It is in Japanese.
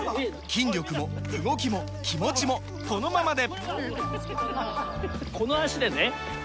筋力も動きも気持ちもこのままで！